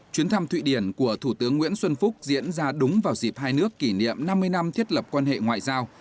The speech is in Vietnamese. chuyến thăm thụy điển của thủ tướng nguyễn xuân phúc diễn ra đúng vào dịp hai nước kỷ niệm năm mươi năm thiết lập quan hệ ngoại giao